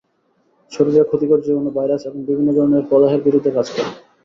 শরীরে ক্ষতিকর জীবাণু, ভাইরাস এবং বিভিন্ন ধরনের প্রদাহের বিরুদ্ধে কাজ করে।